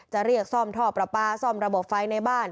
จะเรียกซ่อมท่อประปาซ่อมระบบไฟในบ้าน